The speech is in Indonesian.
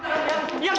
kau mau ngajak